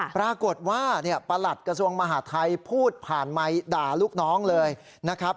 ปรากฏว่าประหลัดกระทรวงมหาทัยพูดผ่านไมค์ด่าลูกน้องเลยนะครับ